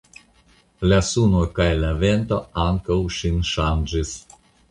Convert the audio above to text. La suno kaj la vento ankaŭ ŝin ŝanĝis.